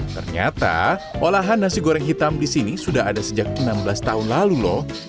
ternyata olahan nasi goreng hitam di sini sudah ada sejak enam belas tahun lalu lho